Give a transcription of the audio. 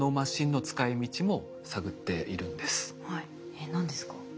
えっ何ですか？